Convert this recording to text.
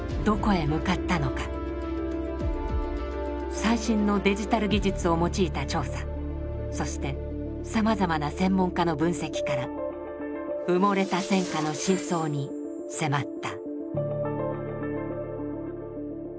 最新のデジタル技術を用いた調査そしてさまざまな専門家の分析から埋もれた戦禍の真相に迫った。